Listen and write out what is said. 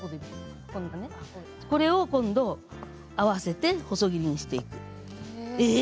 これを今度合わせて細切りにしていく。